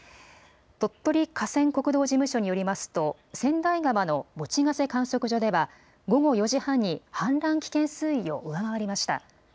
鳥取河川国道事務所によりますと、千代川の用瀬観測所では、午後４時半に氾濫危険水位を上回りました。